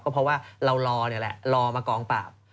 เพราะว่าเรารอนี่แหละรอมากองปราบ